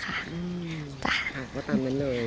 ค่ะก็ตามนั้นเลย